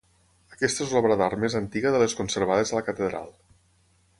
Aquesta és l'obra d'art més antiga de les conservades a la catedral.